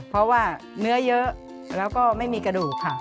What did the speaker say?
เพราะว่าเนื้อเยอะแล้วก็ไม่มีกระดูกค่ะ